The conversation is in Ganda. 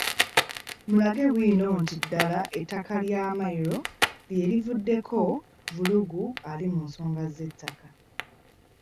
Mulage bwino nti ddala ettaka lya Mmayiro lye livuddeko vvulugu ali mu nsonga z’ettaka.